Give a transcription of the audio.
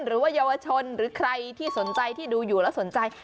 หรือว่าเยาวชนหรือใครที่สนใจที่ดูอยู่แล้วสนใจ